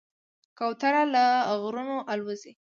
کوتره له غرونو الوزي.